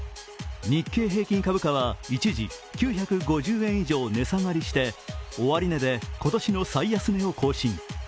日経平均株価は一時９５０円以上値下がりして終値で今年の最安値を更新。